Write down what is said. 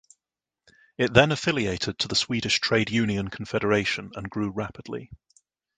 It then affiliated to the Swedish Trade Union Confederation and grew rapidly.